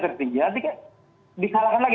tertinggi nanti disalahkan lagi